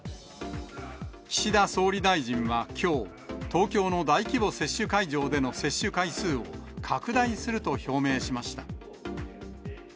岸田総理大臣はきょう、東京の大規模接種会場での接種回数を拡大すると表明しました。